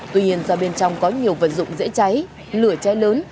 tuy nhiên do bên trong có nhiều vật dụng dễ cháy lửa cháy lớn